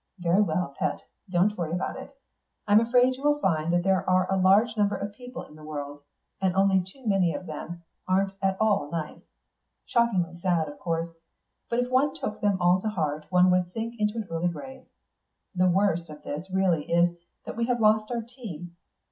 "Very well, pet: don't worry about it. I'm afraid you will find that there are a large number of people in the world, and only too many of them aren't at all nice. Shockingly sad, of course; but if one took them all to heart one would sink into an early grave. The worst of this really is that we have lost our tea.